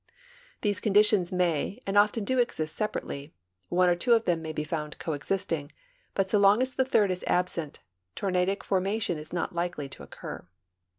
These conditions may and often do exist sei)arately ; one or two of them may he found coexisting ; hut so long as the third is alt sent, tornadic formation is not likely to occur.